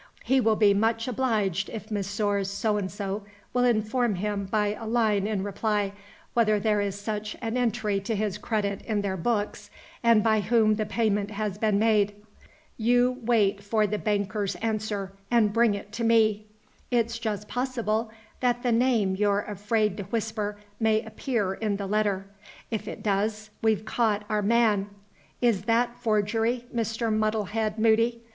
He will be much obliged if Messrs. So and So will inform him by a line in reply, whether there is such an entry to his credit in their books, and by whom the payment has been made.' You wait for the bankers' answer, and bring it to me. It's just possible that the name you're afraid to whisper may appear in the letter. If it does, we've caught our man. Is that forgery, Mr. Muddlehead Moody?